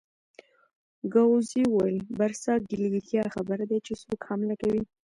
ګاووزي وویل: برساګلیریا خبر دي چې څوک حمله کوي؟